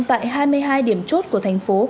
tại hai mươi hai điểm chốt của thành phố